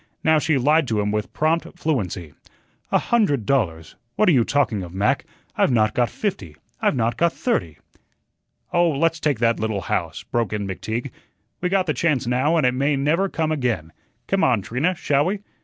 Now she lied to him with prompt fluency. "A hundred dollars! What are you talking of, Mac? I've not got fifty. I've not got THIRTY." "Oh, let's take that little house," broke in McTeague. "We got the chance now, and it may never come again. Come on, Trina, shall we?